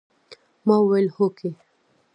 ما وويل هوکې.